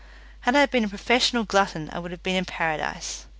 Had I been a professional glutton I would have been in paradise.